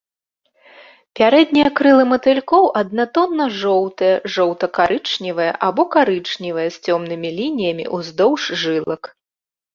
Пярэднія крылы матылькоў аднатонна-жоўтыя, жоўта-карычневыя або карычневыя, з цёмнымі лініямі ўздоўж жылак.